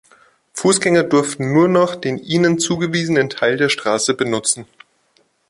Fußgänger durften nur noch den ihnen zugewiesenen Teil der Straße benutzen.